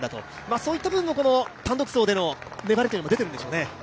そういった部分も単独走の粘りに出ているんでしょうね。